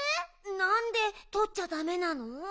なんでとっちゃダメなの？